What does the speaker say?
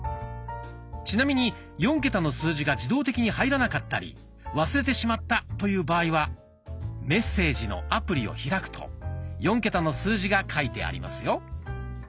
ちなみに４桁の数字が自動的に入らなかったり忘れてしまったという場合は「メッセージ」のアプリを開くと４桁の数字が書いてありますよ。